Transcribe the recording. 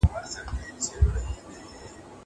زه اوس مکتب ته ځم!